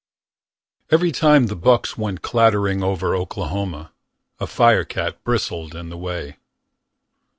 Every time the bucks went clattering Over Oklahoma A firecat bristled in the way.